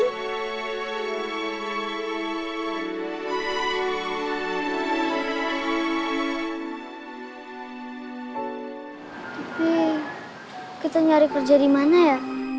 tapi kita nyari kerja di mana ya